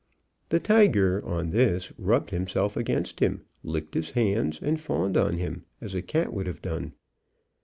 The tiger, on this, rubbed himself against him, licked his hands, and fawned on him as a cat would have done.